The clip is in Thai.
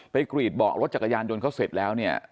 กรีดเบาะรถจักรยานยนต์เขาเสร็จแล้วเนี่ย